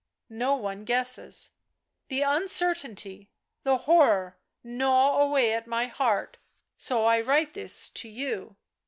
Kq one guesses. " The uncertainty, the horror, gnaw away my heart. So I write this to you.